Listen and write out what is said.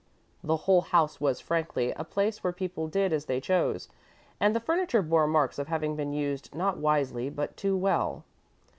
The whole house was, frankly, a place where people did as they chose, and the furniture bore marks of having been used not wisely, but too well.